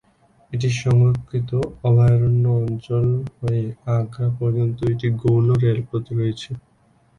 এটি সংরক্ষিত অভয়ারণ্য অঞ্চল হয়ে আগ্রা পর্যন্ত একটি গৌণ রেলপথ রয়েছে।